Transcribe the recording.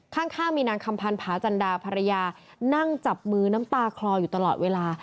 ข้างมีนางคำพันธาจันดาภรรยานั่งจับมือน้ำตาคลออยู่ตลอดเวลา